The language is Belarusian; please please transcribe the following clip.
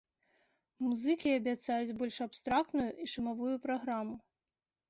Музыкі абяцаюць больш абстрактную і шумавую праграму.